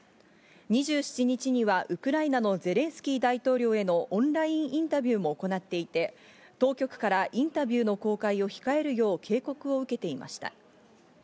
２７日にはウクライナのゼレンスキー大統領へのオンラインインタビューも行っていて、当局からインタビューの公開を控えるよう警告を受けていました。